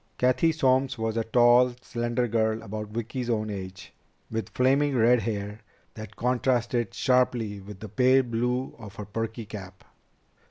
Cathy Solms was a tall, slender girl about Vicki's own age, with flaming red hair that contrasted sharply with the pale blue of her perky cap.